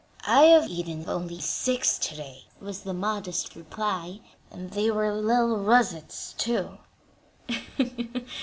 "I have eaten only six to day," was the modest reply, "and they were little russets, too."